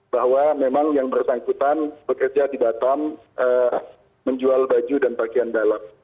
bahwa memang yang bersangkutan bekerja di batam menjual baju dan bagian dalam